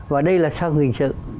và đây là sang hình sự